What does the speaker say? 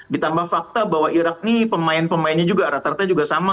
ditambah fakta bahwa irak ini pemain pemainnya juga rata rata juga sama